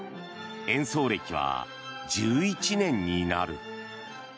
演奏歴は１１年になる。